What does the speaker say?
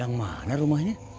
yang mana rumahnya